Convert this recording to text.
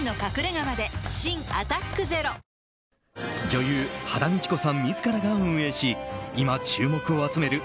女優・羽田美智子さん自らが経営し今、注目を集める